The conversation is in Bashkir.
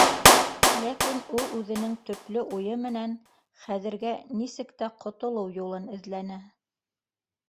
Ләкин ул үҙенең төплө уйы менән хәҙергә нисек тә ҡотолоу юлын эҙләне.